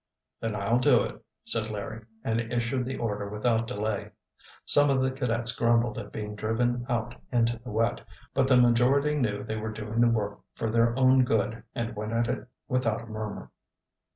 "Then I'll do it," said Larry, and issued the order without delay. Some of the cadets grumbled at being driven out into the wet, but the majority knew they were doing the work for their own good and went at it without a murmur.